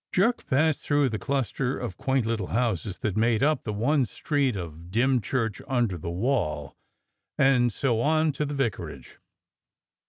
Jerk passed through the clus ter of quaint little houses that make up the one street of Dymchurch under the wall, and so on to the vicarage.